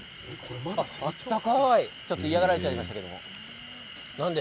ちょっと嫌がられちゃいましたけど。